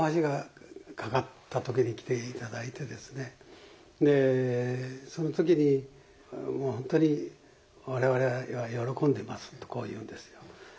例えばその時にもう本当に我々は喜んでますとこう言うんですよ。